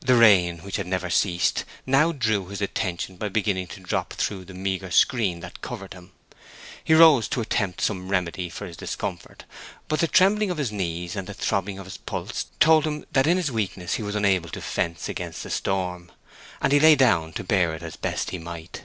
The rain, which had never ceased, now drew his attention by beginning to drop through the meagre screen that covered him. He rose to attempt some remedy for this discomfort, but the trembling of his knees and the throbbing of his pulse told him that in his weakness he was unable to fence against the storm, and he lay down to bear it as best he might.